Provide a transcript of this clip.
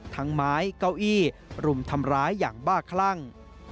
ไม้เก้าอี้รุมทำร้ายอย่างบ้าคลั่ง